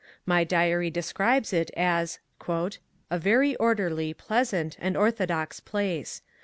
My diary describes it as ^^ a very orderly, pleasant, and ortho dox place.